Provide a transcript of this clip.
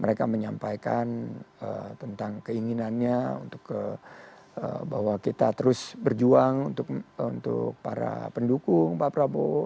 mereka menyampaikan tentang keinginannya untuk bahwa kita terus berjuang untuk para pendukung pak prabowo